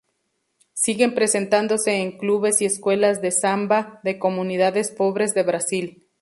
Siguen presentándose en clubes y escuelas de Samba de comunidades pobres de Brasil.